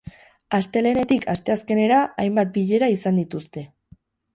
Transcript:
Astelehenetik asteazkenera hainbat bilera izan dituzte.